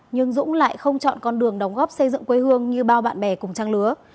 nhưng dũng lại không chọn con đường đóng góp xây dựng quê hương như bao bạn bè cùng trang lứa